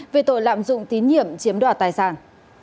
về tội lạm dụng tín nhiệm chiếm đoạt tài sản